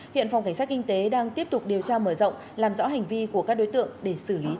hiện phòng cảnh sát kinh tế đang tiếp tục điều tra mở rộng làm rõ hành vi của các đối tượng để xử lý theo quy định